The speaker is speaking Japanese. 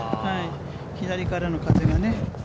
左からの風がね。